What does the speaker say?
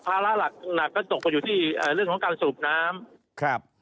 ภาระหลักหลักก็ตกไปอยู่ที่เอ่อเรื่องของการสูบน้ำครับ